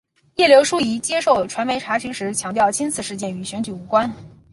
叶刘淑仪接受传媒查询时强调今次事件与选举无关。